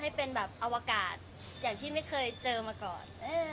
ให้เป็นแบบอวกาศอย่างที่ไม่เคยเจอมาก่อน